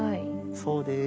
そうです。